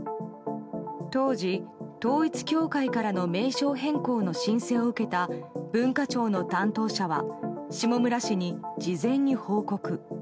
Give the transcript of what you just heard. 当時、統一教会からの名称変更の申請を受けた文化庁の担当者は下村氏に事前に報告。